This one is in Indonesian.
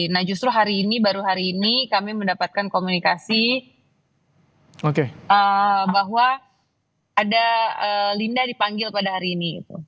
nah justru hari ini baru hari ini kami mendapatkan komunikasi bahwa ada linda dipanggil pada hari ini